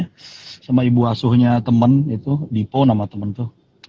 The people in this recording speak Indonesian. ada sama ibu asuhnya temen itu dipo nama temen itu